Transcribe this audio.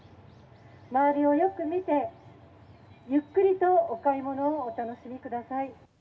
周りをよく見て、ゆっくりとお買い物をお楽しみください。